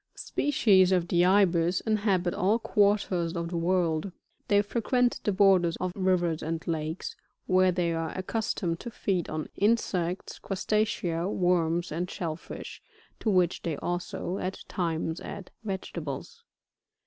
48. ["Species of the Ibis inhabit all quarters of the world. They frequent the borders of rivers and lakes, where they are accustomed to feed on insects, Crustacea, worms and shell fish, to which they also, at times, add vegetables.